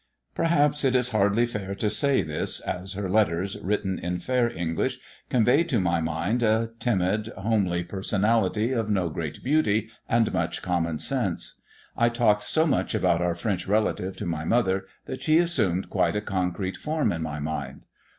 Perhaps it is hardly fair to say this, as her letters, written in fair English, conveyed to my mind a timid, homely personality of. no great beauty and much common sense. I talked so much about our French relative to my mother that she assumed quite a concrete form in my mind.